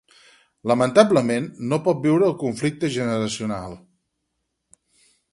Lamentablement, no pot viure el conflicte generacional.